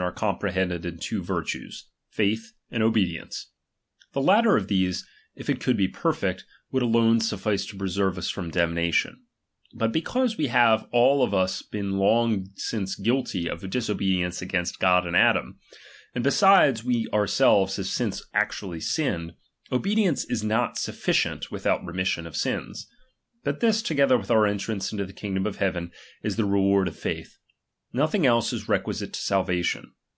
aUdn, BTE ron Comprehended in two virtues, /a //A and obedience. mdttedi^IlL The latter of these, if it could be perfect, would alone suffice to preserve us from damnation ; but because we have all of us been long since guilty of disobedience agaiust God In Adam, and besides we ourselves have since actually sinned, obedience is not sufficient without remission of sins. But this, together with our entrance into the kingdom of heaven, is the reward oi faith ; nothing else is re quisite to salvation.